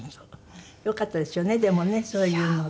よかったですよねでもねそういうのってね。